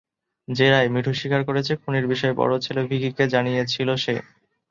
জেরায় মিঠু স্বীকার করেছেন, খুনের বিষয়ে বড় ছেলে ভিকিকে জানিয়েছিল সে।